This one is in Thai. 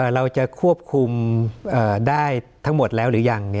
เราจะควบคุมได้ทั้งหมดแล้วหรือยัง